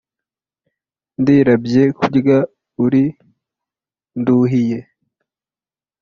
ndirabye kurya uri nduhiye,